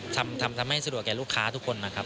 ทำให้สะดวกแก่ลูกค้าทุกคนนะครับ